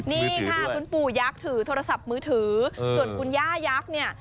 นี่ค่ะคุณปู่ยักษ์ถือโทรศัพท์มือถือส่วนคุณย่ายักษ์เนี่ย